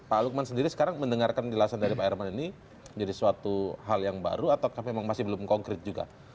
pak lukman sendiri sekarang mendengarkan penjelasan dari pak herman ini menjadi suatu hal yang baru atau memang masih belum konkret juga